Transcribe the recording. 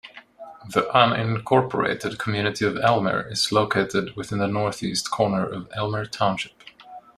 The unincorporated community of Elmer is located within the northeast corner of Elmer Township.